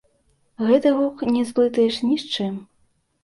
Гэты гук не зблытаеш ні з чым.